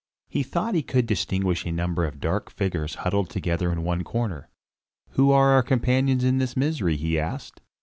He thought he could distinguish a number of dark figures huddled together in one corner. "Who are our companions in this misery?" he asked.